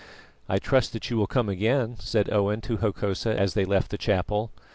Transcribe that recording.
"I trust that you will come again," said Owen to Hokosa as they left the chapel.